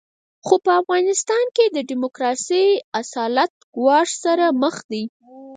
خو په افغانستان کې د ډیموکراسۍ اصالت ګواښ سره مخ دی.